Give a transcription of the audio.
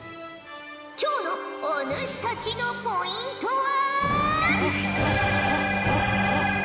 今日のお主たちのポイントは。